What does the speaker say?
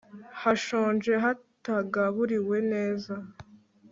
hashonje, hatagaburiwe neza